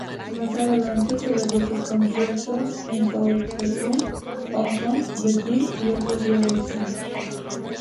Más adelante celebró sus conciertos en Taichung, Hong Kong, Beijing y otras ciudades chinas.